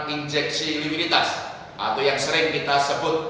injeksi imunitas atau yang sering kita sebut